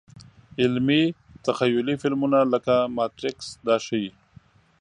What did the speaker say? علمي – تخیلي فلمونه لکه ماتریکس دا ښيي.